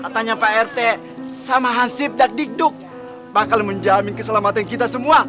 katanya pak rt sama hansip dakdikduk bakal menjamin keselamatan kita semua